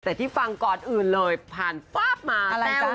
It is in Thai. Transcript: แต่ที่ฟังก่อนอื่นเลยผ่านฟ้าบมา